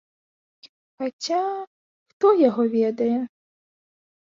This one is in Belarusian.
Хаця, хто яго ведае.